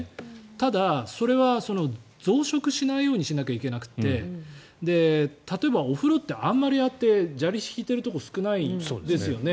ただ、それは増殖しないようにしなきゃいけなくて例えば、お風呂ってあまりああやって砂利を敷いているところ少ないですよね。